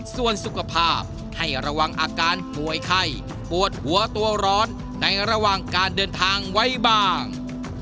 ส่วนสุขภาพให้ระวังอาการป่วยไข้ปวดหัวตัวร้อนในระหว่างการเดินทางไว้บ้าง